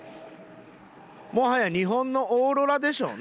もはや日本のオーロラでしょうね。